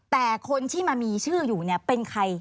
แต่คนที่มามีชื่ออยู่เนี่ยเป็นใคร